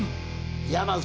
山内。